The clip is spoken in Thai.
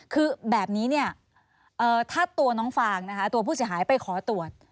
คือแบบนี้ถ้าตัวน้องฟางตัวผู้เสียหายไปขอตรวจ